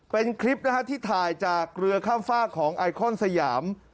เป็นคลิปนะฮะที่ถ่ายจากเรือข้ามฝากของไอคอนสยาม